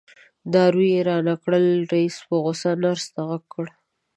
دارو یې رانه کړل رئیس په غوسه نرس ته غږ کړ.